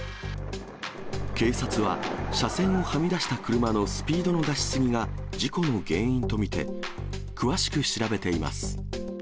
警察は、車線をはみ出した車のスピードの出し過ぎが事故の原因と見て、詳しく調べています。